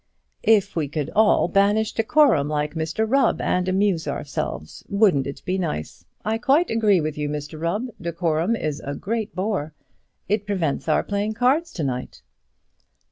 "If we could all banish decorum, like Mr Rubb, and amuse ourselves, wouldn't it be nice? I quite agree with you, Mr Rubb; decorum is a great bore; it prevents our playing cards to night."